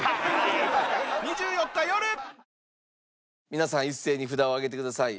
皆さん一斉に札を上げてください。